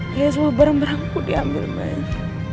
dia semua barang barangku diambil baik